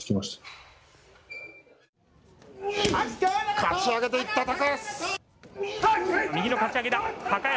かち上げていった高安。